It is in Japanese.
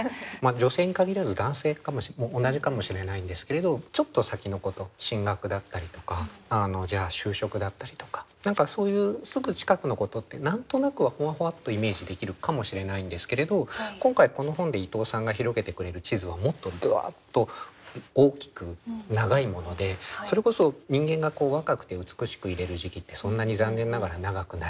女性に限らず男性も同じかもしれないんですけれどちょっと先のこと進学だったりとかじゃあ就職だったりとか何かそういうすぐ近くのことって何となくはふわふわっとイメージできるかもしれないんですけれど今回この本で伊藤さんが広げてくれる地図はもっとダッと大きく長いものでそれこそ人間が若くて美しくいれる時期ってそんなに残念ながら長くない。